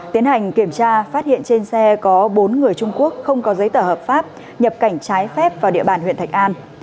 tiến hành kiểm tra phát hiện trên xe có bốn người trung quốc không có giấy tờ hợp pháp nhập cảnh trái phép vào địa bàn huyện thạch an